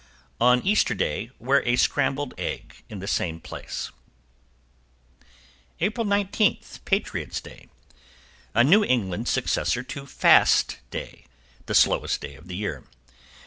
On Easter day, wear a scrambled egg in the same place. =APRIL 19, Patriot's Day.= A New England successor to FAST DAY the slowest day of the year.